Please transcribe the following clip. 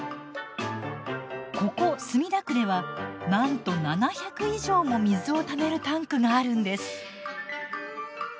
ここ墨田区ではなんと７００以上も水をためるタンクがあるんです。